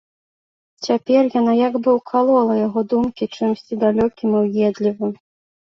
Цяпер яна як бы ўкалола яго думкі чымсьці далёкім і ўедлівым.